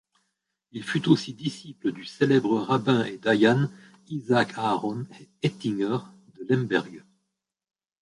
Il fut aussi disciple du célèbre rabbin et dayan Isaac Aaron Ettinger, de Lemberg.